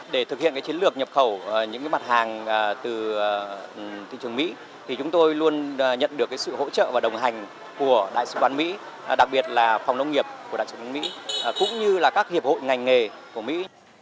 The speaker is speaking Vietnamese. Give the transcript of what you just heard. để thực hiện chiến lược nhập khẩu những mặt hàng từ thị trường mỹ thì chúng tôi luôn nhận được sự hỗ trợ và đồng hành của đại sứ quán mỹ đặc biệt là phòng nông nghiệp của đại sứ quán mỹ cũng như các hiệp hội ngành nghề của mỹ